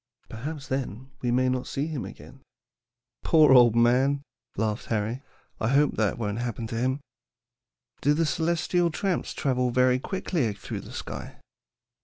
Perhaps then we may not see him again." "Poor old man," laughed Harry. "I hope that won't happen to him. Do the 'celestial tramps' travel very quickly through the sky?"